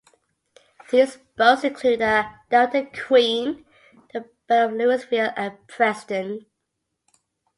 These boats include the "Delta Queen", the "Belle of Louisville", and "President".